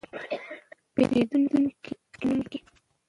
پېرېدونکي مخکې نوم لیکي.